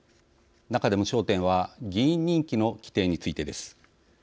中でも焦点は議員任期の規定についてです。